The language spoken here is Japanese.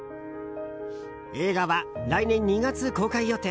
映画は来年２月公開予定。